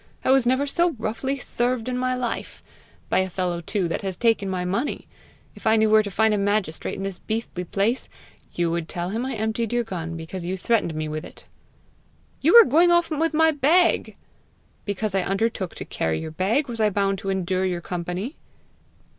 I was never so roughly served in my life! by a fellow too that had taken my money! If I knew where to find a magistrate in this beastly place, " "You would tell him I emptied your gun because you threatened me with it!" "You were going off with my bag!" "Because I undertook to carry your bag, was I bound to endure your company?"